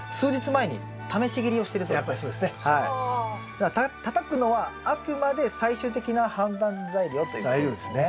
だからたたくのはあくまで最終的な判断材料ということですね。